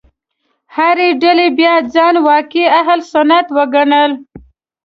هرې ډلې بیا ځان واقعي اهل سنت وګڼل.